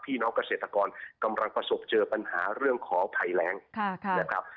พี่น้องเกษตรกรกำลังประสบเจอปัญหาเรื่องของภัยแรงนะครับ